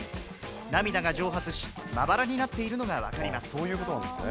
涙が蒸発し、まばらになっているのが分かります。